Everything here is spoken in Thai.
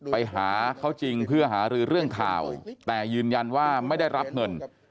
ไปหาเขาจริงเพื่อหารือเรื่องข่าวแต่ยืนยันว่าไม่ได้รับเงิน